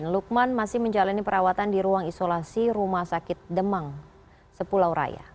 lukman masih menjalani perawatan di ruang isolasi rumah sakit demang sepulau raya